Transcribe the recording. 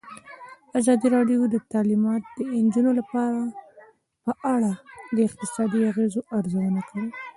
ازادي راډیو د تعلیمات د نجونو لپاره په اړه د اقتصادي اغېزو ارزونه کړې.